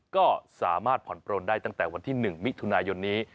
ก็สามารถผ่อนปลนได้ตั้งแต่วันที่๑มิถุนายนนี้